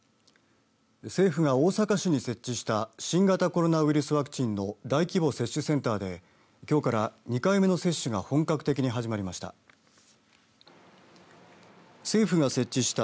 政府が大阪市に設置した新型コロナウイルスワクチンの大規模接種センターできょうから２回目の接種が本格的に始まりました。